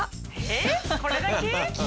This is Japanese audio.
えーっこれだけ？